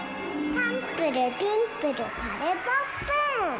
パンプルピンプルパムポップン。